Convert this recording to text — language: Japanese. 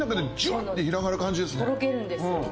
とろけるんですよ。